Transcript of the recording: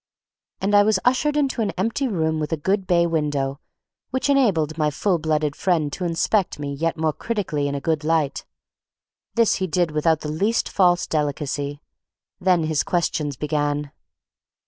And I was ushered into an empty room with a good bay window, which enabled my full blooded friend to inspect me yet more critically in a good light; this he did without the least false delicacy; then his questions began.